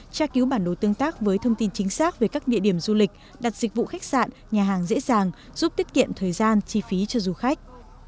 tra cứu bản đồ tương tác với thông tin chính xác về các địa điểm du lịch đặt dịch vụ khách sạn nhà hàng dễ dàng giúp tiết kiệm thời gian chi phí cho du khách